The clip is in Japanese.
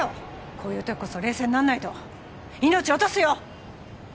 こういう時こそ冷静になんないと命落とすよ！